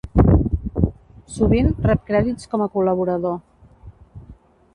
Sovint, rep crèdits com a col·laborador.